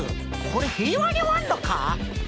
これ平和に終わんのか？